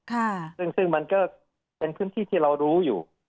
ค่ะซึ่งซึ่งมันก็เป็นพื้นที่ที่เรารู้อยู่